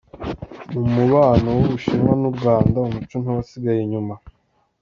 Mu mubano w’u Bushinwa n’u Rwanda umuco ntiwasigaye inyuma